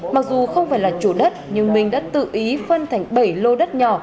mặc dù không phải là chủ đất nhưng minh đã tự ý phân thành bảy lô đất nhỏ